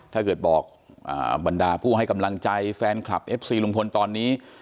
ถ้าเกิดบอกบรรดาผู้ให้กำลังใจแฟนคลับเอฟซีลุงพลตอนนี้